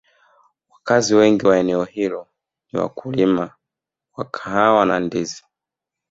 wakazi wengi wa eneo hilo ni wakulima wa kahawa na ndizi